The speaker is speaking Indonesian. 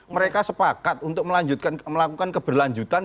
mereka sepakat untuk melakukan keberlanjutan